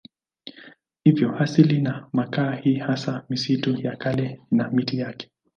Hivyo asili ya makaa ni hasa misitu ya kale na miti yake.